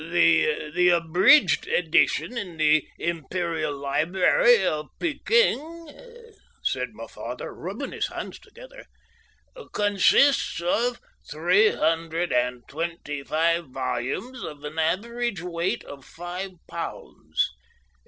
"The abridged edition in the Imperial Library of Pekin," said my father, rubbing his hands together, "consists of 325 volumes of an average weight of five pounds.